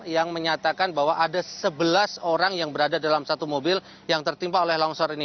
yang menyatakan bahwa ada sebelas orang yang berada dalam satu mobil yang tertimpa oleh longsor ini